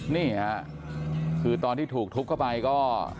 นี่ค่ะคือตอนที่ถูกทุบเข้าไปก็